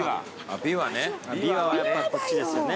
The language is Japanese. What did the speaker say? びわはこっちですよね。